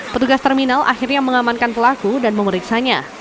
petugas terminal akhirnya mengamankan pelaku dan memeriksanya